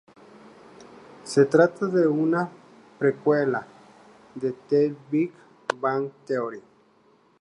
Se trata de una precuela de "The Big Bang Theory".